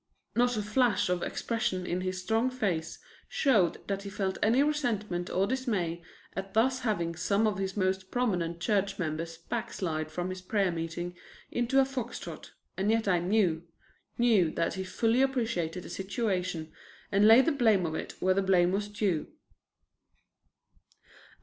Not a flash of expression in his strong face showed that he felt any resentment or dismay at thus having some of his most prominent church members backslide from his prayer meeting into a fox trot, and yet I knew knew that he fully appreciated the situation and laid the blame of it where the blame was due.